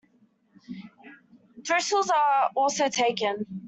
Thistles are also taken.